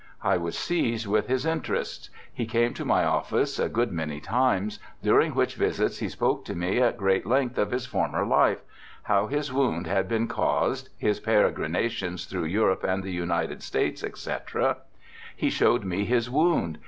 I was seized with his interests; he came to my office a good many times, during which visits he spoke to me at great length of his former life, how his wound had been caused, his peregrinations through Europe and the United States, etc. He showed me his wound.